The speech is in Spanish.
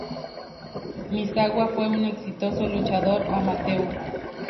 Misawa fue un exitoso luchador amateur.